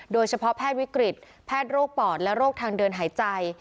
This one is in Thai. โดยเฉพาะแพทย์วิกฤตแพทย์โรคปอดและโรคทางเดินหายใจ